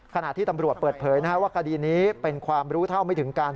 ขณะที่ตำรวจเปิดเผยว่าคดีนี้เป็นความรู้เท่าไม่ถึงการ